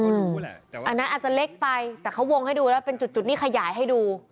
อันนั้นอาจจะเล็กไปแต่เขาวงให้ดูแล้วเป็นจุดนี้ขยายให้ดู